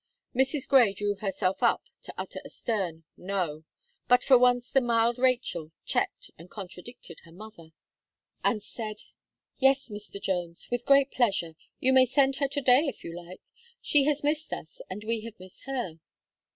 Mrs. Gray drew herself up to utter a stern "No," but for once the mild Rachel checked and contradicted her mother, and said: "Yes, Mr. Jones, with great pleasure. You may send her to day, if you like. She has missed us, and we have missed her."